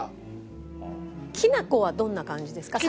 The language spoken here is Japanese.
きな粉はどんな感じですか？